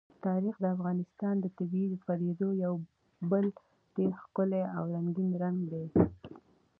تاریخ د افغانستان د طبیعي پدیدو یو بل ډېر ښکلی او رنګین رنګ دی.